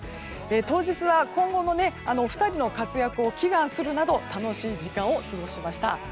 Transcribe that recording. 当日は、今後のお二人の活躍を祈願するなど楽しい時間を過ごしました。